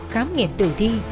khám nghiệm tử thi